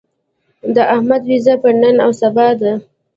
د احمد وېزه پر نن او سبا ده.